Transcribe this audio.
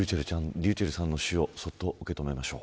ｒｙｕｃｈｅｌｌさんの死をそっと受け止めましょう。